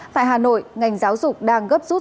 tại hà nội ngành giáo dục đang gấp rút